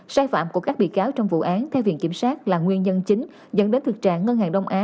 sai phạm của các bị cáo trong vụ án theo viện kiểm sát là nguyên nhân chính dẫn đến thực trạng ngân hàng đông á